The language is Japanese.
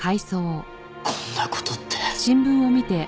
こんな事って。